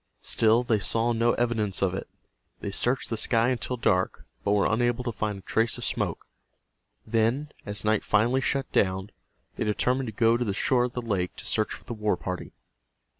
Still they saw no evidence of it. They searched the sky until dark, but were unable to find a trace of smoke. Then, as night finally shut down, they determined to go to the shore of the lake to search for the war party.